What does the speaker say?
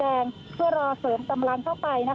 เพราะตอนนี้ก็ไม่มีเวลาให้เข้าไปที่นี่